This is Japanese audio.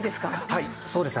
はいそうです。